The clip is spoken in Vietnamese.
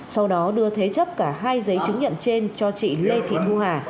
sau đó đưa thế chấp cả hai giấy chứng nhận trên cho chị lê thị thu hà